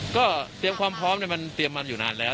ก็เตรียมความพร้อมมันเตรียมมันอยู่นานแล้ว